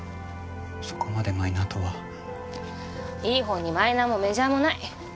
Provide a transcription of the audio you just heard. そこまでマイナーとは。いい本にマイナーもメジャーもない！